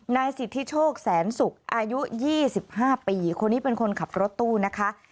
นายสิทธิโชคแสนสุกอายุ๒๕ปีคนนี้เป็นคนขับรถตู้นะคะ